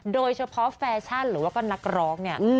โดยเฉพาะแฟชั่นหรือว่าก็นักร้องเนี่ย